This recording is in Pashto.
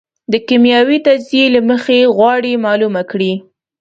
د کېمیاوي تجزیې له مخې غواړي معلومه کړي.